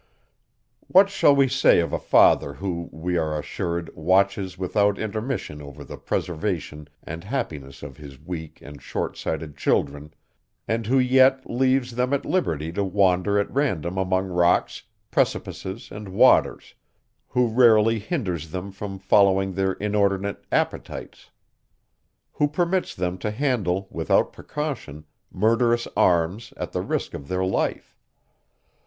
What shall we say of a father, who, we are assured, watches without intermission over the preservation and happiness of his weak and short sighted children, and who yet leaves them at liberty to wander at random among rocks, precipices, and waters; who rarely hinders them from following their inordinate appetites; who permits them to handle, without precaution, murderous arms, at the risk of their life?